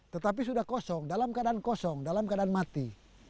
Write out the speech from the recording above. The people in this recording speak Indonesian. tetapi sudah kosong dalam keadaan kosong dalam keadaan mati